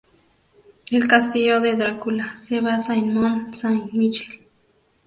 El castillo de Drácula se basa en Mont Saint- Michel.